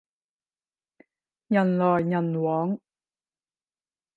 人來人往